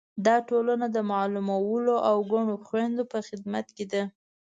دا ټولنه د معلولو او کڼو خویندو په خدمت کې ده.